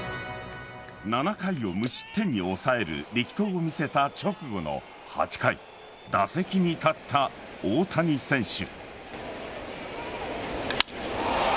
７回を無失点に抑える力投を見せた直後の８回打席に立った大谷選手。